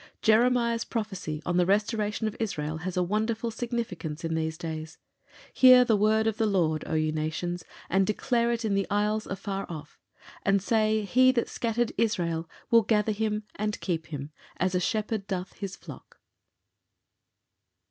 Jeremiah's prophecy on the Restoration of Israel has a wonderful significance in these days: "Hear the word of the Lord, O ye nations, and declare it in the isles afar off, and say, He that scattered Israel will gather him and keep him, as a Shepherd doth his flock."